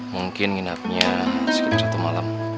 mungkin ingin hatinya sekitar satu malam